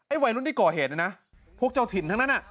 วัยรุ่นที่ก่อเหตุนะนะพวกเจ้าถิ่นทั้งนั้น